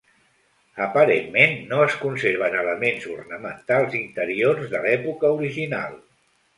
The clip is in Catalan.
Aparentment no es conserven elements ornamentals interiors de l'època original.